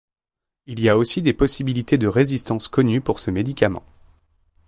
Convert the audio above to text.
Il y a aussi des possibilités de résistance connus pour ce médicament.